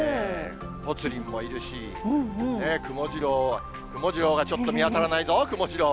ぽつリンもいるし、くもジロー、くもジローがちょっと見当たらないぞ、くもジロー。